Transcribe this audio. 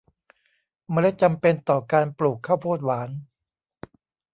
เมล็ดจำเป็นต่อการปลูกข้าวโพดหวาน